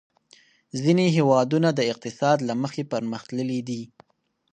ځینې هېوادونه د اقتصاد له مخې پرمختللي دي.